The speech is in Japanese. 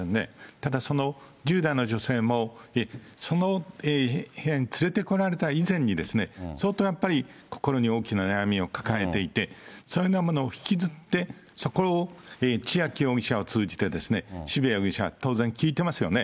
ただその１０代の女性も、その部屋に連れてこられた以前にですね、相当やっぱり、心に大きな悩みを抱えていて、そういうようなものを引きずって、そこを千秋容疑者を通じてですね、渋谷容疑者は当然聞いてますよね。